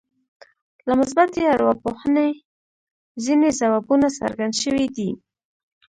له مثبتې ارواپوهنې ځينې ځوابونه څرګند شوي دي.